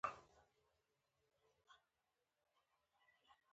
رِقاع خط؛ د خط یو ډول دﺉ.